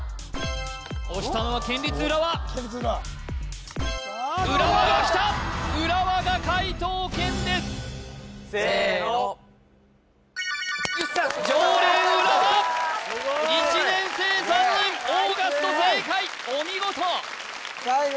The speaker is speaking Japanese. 押したのは県立浦和浦和がきた浦和が解答権ですせーの常連浦和１年生３人オーガスト正解お見事最後